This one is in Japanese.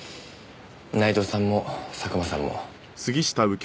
内藤さんも佐久間さんも。